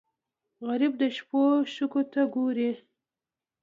غریب د شپو شګو ته ګوري